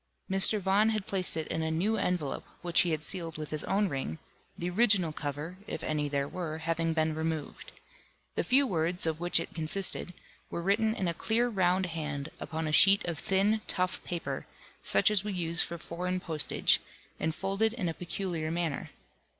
Mr. Vaughan had placed it in a new envelope, which he had sealed with his own ring, the original cover (if any there were) having been removed. The few words, of which it consisted, were written in a clear round hand, upon a sheet of thin tough paper, such as we use for foreign postage, and folded in a peculiar manner.